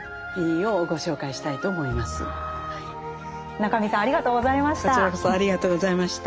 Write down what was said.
中見さんありがとうございました。